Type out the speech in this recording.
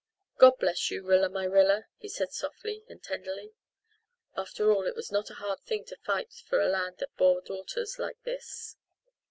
"God bless you, Rilla my Rilla," he said softly and tenderly. After all it was not a hard thing to fight for a land that bore daughters like this.